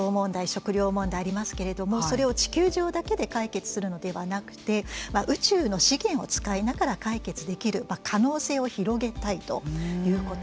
食糧問題ありますけれどもそれを地球上だけで解決するのではなくて宇宙の資源を使いながら解決できる可能性を広げたいということ。